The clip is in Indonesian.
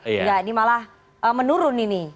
ini malah menurun ini